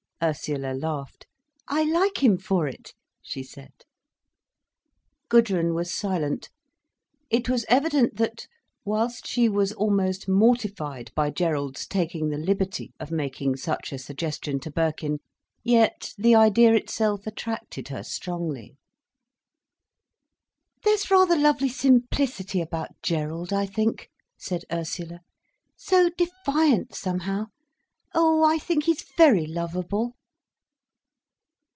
_" Ursula laughed. "I like him for it," she said. Gudrun was silent. It was evident that, whilst she was almost mortified by Gerald's taking the liberty of making such a suggestion to Birkin, yet the idea itself attracted her strongly. "There's a rather lovely simplicity about Gerald, I think," said Ursula, "so defiant, somehow! Oh, I think he's very lovable."